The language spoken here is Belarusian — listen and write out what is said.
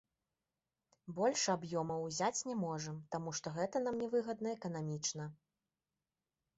Больш аб'ёмаў ўзяць не можам, таму што гэта нам не выгадна эканамічна.